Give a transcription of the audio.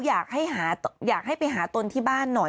อยากให้ไปหาตนที่บ้านหน่อย